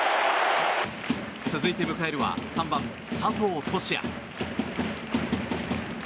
続いて迎えるは３番、佐藤俊哉。